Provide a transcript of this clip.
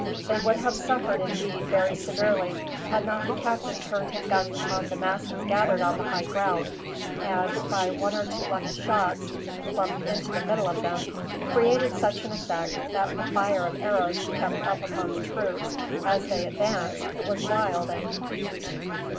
They would have suffered, indeed, very severely, had not the captain turned his guns upon the masses gathered on the high ground and, by one or two lucky shots plumped into the middle of them, created such an effect that the fire of arrows kept up upon the troops, as they advanced, was wild and confused.